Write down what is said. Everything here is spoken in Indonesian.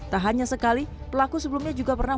tak hanya sekali pelaku sebelumnya juga pernah